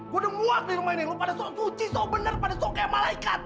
gue udah muak nih lo mainin lo pada soal suci soal benar pada soal kayak malaikat